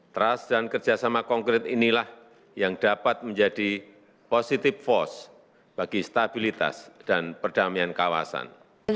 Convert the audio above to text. trust dan kerjasama konkret inilah yang dapat menjadi positive force bagi stabilitas dan perdamaian kawasan